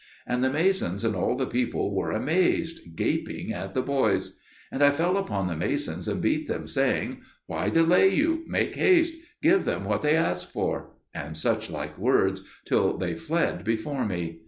And the masons and all the people were amazed, gaping at the boys. And I fell upon the masons and beat them, saying, "Why delay you? Make haste, give them what they ask for," and such like words, till they fled before me.